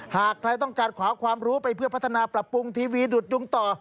หากใครต้องการขวาความรู้ไปเพื่อพัฒนาปรับปรุงทีวีดุดยุงต่อ